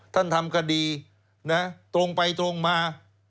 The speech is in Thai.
ท่านทำคดีนะตรงไปตรงมา